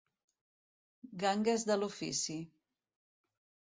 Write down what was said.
Gangues de l'ofici.